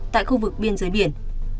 tại khu vực biên giới biển